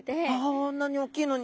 あんなに大きいのに。